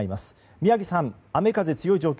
宮城さん、雨風強い状況